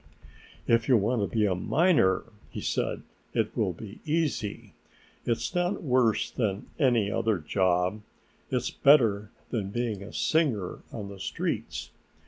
"If you want to be a miner," he said, "it will be easy. It's not worse than any other job. It's better than being a singer on the streets.